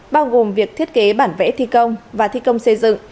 bao gồm việc thiết kế bản vẽ thi công và thi công xây dựng